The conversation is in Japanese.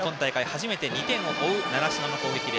初めて２点を追う習志野の攻撃。